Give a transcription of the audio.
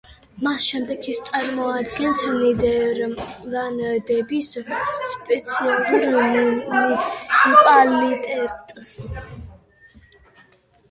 მას შემდეგ ის წარმოადგენს ნიდერლანდების სპეციალურ მუნიციპალიტეტს.